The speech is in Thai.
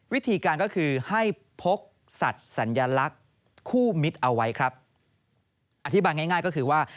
วิธีการก็คือให้พกสัตว์สัญลักษณ์คู่มิตรเอาไว้ครับอธิบายง่ายง่ายก็คือว่า